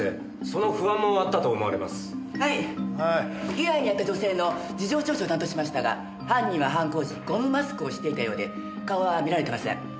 被害に遭った女性の事情聴取を担当しましたが犯人は犯行時ゴムマスクをしていたようで顔は見られてません。